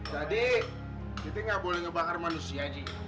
jadi kita gak boleh ngebakar manusia